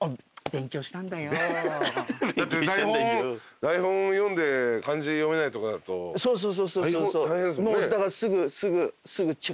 だって台本読んで漢字読めないとかだと大変ですもんね。